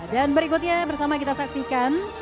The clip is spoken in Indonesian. dan berikutnya bersama kita saksikan